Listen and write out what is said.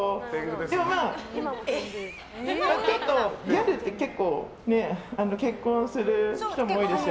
でも、ギャルって結構結婚する人も多いでしょ。